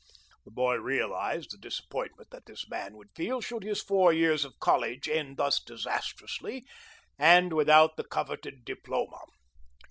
The boy realized the disappointment that this man would feel should his four years of college end thus disastrously and without the coveted diploma.